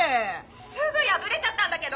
☎すぐ破れちゃったんだけど！